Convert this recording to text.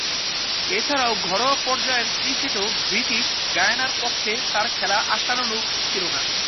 এছাড়াও, ঘরোয়া পর্যায়ের ক্রিকেটেও ব্রিটিশ গায়ানার পক্ষে তার খেলা আশানুরূপ ছিল না।